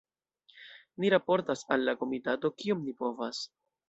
Ni raportas al la komitato, kiom ni povas.